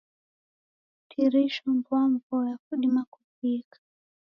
Tirisa mboamboa, kudima kuvika.